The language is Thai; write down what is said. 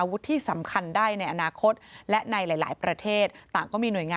วิจัยซิงเกลเกตเวย์